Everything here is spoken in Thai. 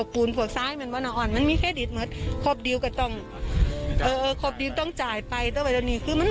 พวกซ้ายพวกหญิงพวกอีจบอก